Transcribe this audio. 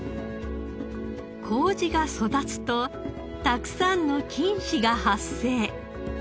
麹が育つとたくさんの菌糸が発生。